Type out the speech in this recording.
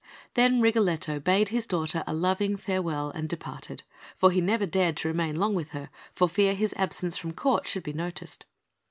Then Rigoletto bade his daughter a loving farewell, and departed; for he never dared to remain long with her, for fear his absence from Court should be noticed.